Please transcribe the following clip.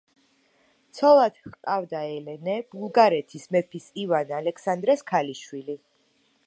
ცოლად ჰყავდა ელენე, ბულგარეთის მეფის ივან ალექსანდრეს ქალიშვილი.